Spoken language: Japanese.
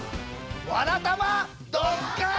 「わらたま」。「ドッカン」！